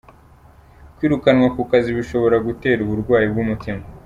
Kwirukanwa ku kazi bishobora gutera uburwayi bw’umutima